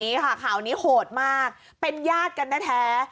นี้ค่ะข่าวนี้โหดมากเป็นญาติกันแท้